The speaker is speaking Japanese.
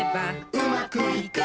「うまくいく！」